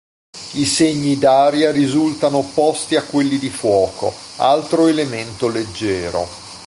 I segni d'aria risultano opposti a quelli di fuoco, altro elemento leggero.